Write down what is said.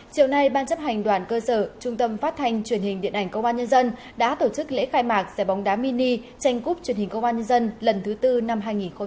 chấp hành đoàn cơ sở trung tâm phát thanh truyền hình điện ảnh công an nhân dân đã tổ chức lễ khai mạc giải bóng đá mini tranh cúp truyền hình công an nhân dân lần thứ tư năm hai nghìn một mươi năm